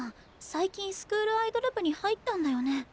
最近スクールアイドル部に入ったんだよね。